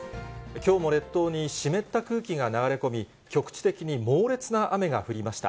きょうも列島に湿った空気が流れ込み、局地的に猛烈な雨が降りました。